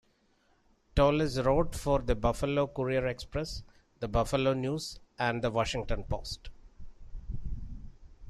Toles wrote for "The Buffalo Courier-Express", "The Buffalo News" and "The Washington Post".